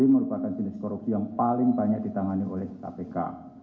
merupakan jenis korupsi yang paling banyak ditangani oleh kpk